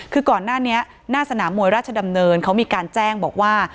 คือก่อนหน้านี้หน้าสนามมวยราชดำเนินเขามีการแจ้งบอกว่า